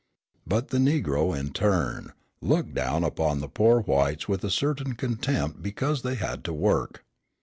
But the Negro, in turn, looked down upon the poor whites with a certain contempt because they had to work.